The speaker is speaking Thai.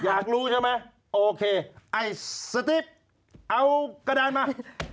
อยากรู้ใช่ไหมโอเคไอ้สติ๊กเอากระดานมา